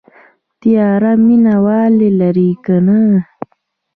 تیاتر مینه وال لري که نه؟